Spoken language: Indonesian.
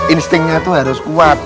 instingnya itu harus kuat